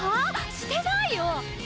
してないよ！